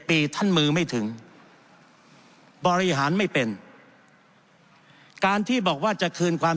ปีท่านมือไม่ถึงบริหารไม่เป็นการที่บอกว่าจะคืนความ